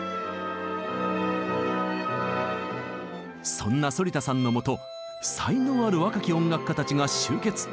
そんな反田さんのもと才能ある若き音楽家たちが集結。